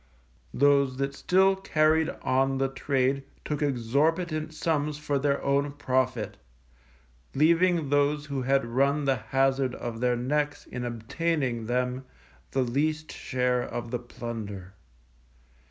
Those that still carried on the trade took exorbitant sums for their own profit, leaving those who had run the hazard of their necks in obtaining them, the least share of the plunder.